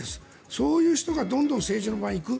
そういう人がどんどん政治の場に行く。